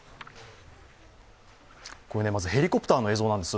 まず、ヘリコプターの映像なんです